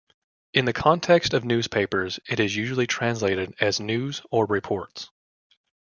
In the context of newspapers it is usually translated as "news" or "reports".